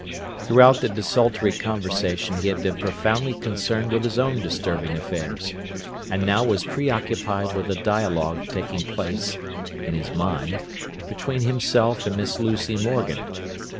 Throughout the desultory conversation he had been profoundly concerned with his own disturbing affairs, and now was preoccupied with a dialogue taking place (in his mind) between himself and Miss Lucy Morgan.